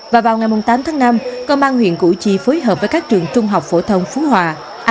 và vào ngày tám tháng năm công an huyện củ chi phối hợp với các trường trung học phổ thông phú hòa